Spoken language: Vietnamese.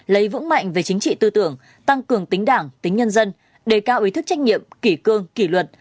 lấy vững mạnh về chính trị tư tưởng tăng cường tính đảng tính nhân dân đề cao ý thức trách nhiệm kỷ cương kỷ luật